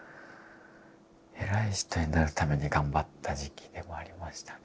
偉い人になるために頑張った時期でもありましたね